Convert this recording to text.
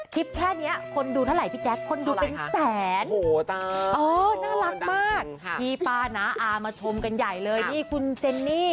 แค่นี้คนดูเท่าไหร่พี่แจ๊คคนดูเป็นแสนน่ารักมากพี่ป้าน้าอามาชมกันใหญ่เลยนี่คุณเจนนี่